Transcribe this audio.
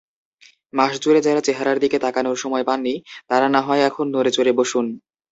মাসজুড়ে যাঁরা চেহারার দিকে তাকানোর সময় পাননি, তাঁরা নাহয় এখন নড়েচড়ে বসুন।